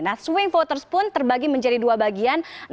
nah swing voters pun terbagi menjadi dua bagian